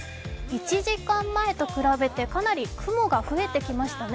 １時間前と比べてかなり雲が増えてきましたね。